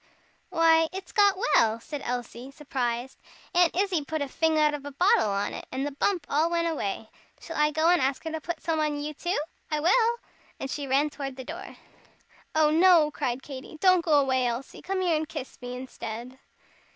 "Why, it's got well!" said Elsie, surprised. "Aunt Izzie put a fing out of a bottle on it, and the bump all went away. Shall I go and ask her to put some on you too I will." And she ran toward the door. "Oh, no!" cried Katy, "don't go away, Elsie. Come here and kiss me, instead."